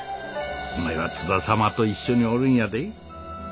お前は津田様と一緒におるんやで。